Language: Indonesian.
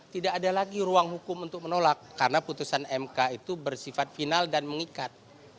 tidak ada lagi ruang hukum untuk menolak karena putusan mk itu bersifat final dan mengikat